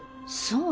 そう。